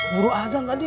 guru azan tadi